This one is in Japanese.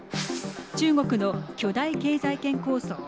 中国の巨大経済圏構想